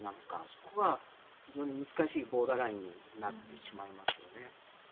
そこが非常に難しいボーダーラインになってしまいますよね。